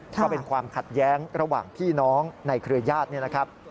ก็เป็นความขัดแย้งระหว่างพี่น้องในเครือญาตินี่นะครับ